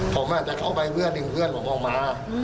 ผมจะเข้าไปเพื่อดึงเพื่อนผมออกมา